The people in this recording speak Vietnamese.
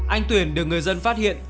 anh tuyển được người dân phát hiện